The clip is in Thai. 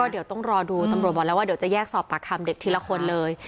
เดี๋ยวต้องรอดูตำรวจบอกแล้วว่าเดี๋ยวจะแยกสอบปากคำเด็กทีละคนเลย